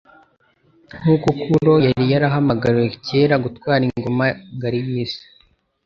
Nk'uko Kuro yari yarahamagariwe kera gutwara ingoma ngari y'isi